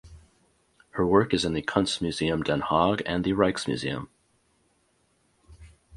Her work is in the Kunstmuseum Den Haag and the Rijksmuseum.